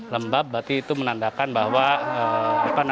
lembab berarti itu menandakan bahwa apa namanya